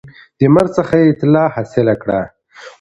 د مرګ څخه یې اطلاع حاصل کړه